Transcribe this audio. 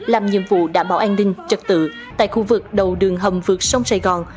làm nhiệm vụ đảm bảo an ninh trật tự tại khu vực đầu đường hầm vượt sông sài gòn